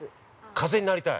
◆風になりたい？